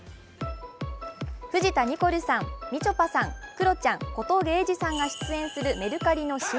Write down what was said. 藤田ニコルさん、みちょぱさんクロちゃん、小峠英二さんが出演するメルカリの新ＣＭ。